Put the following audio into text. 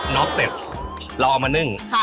็อกเสร็จเราเอามานึ่ง